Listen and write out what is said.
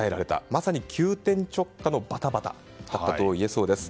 まさに急転直下のバタバタだったといえそうです。